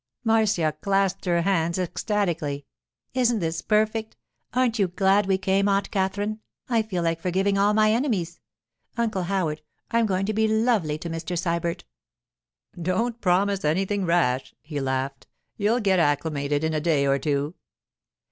Marcia clasped her hands ecstatically. 'Isn't this perfect? Aren't you glad we came, Aunt Katherine? I feel like forgiving all my enemies! Uncle Howard, I'm going to be lovely to Mr. Sybert.' 'Don't promise anything rash,' he laughed. 'You'll get acclimated in a day or two.